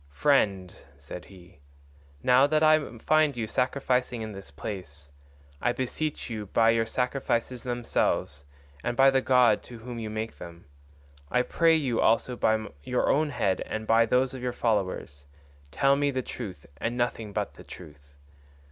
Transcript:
"Friend," said he, "now that I find you sacrificing in this place, I beseech you by your sacrifices themselves, and by the god to whom you make them, I pray you also by your own head and by those of your followers tell me the truth and nothing but the truth.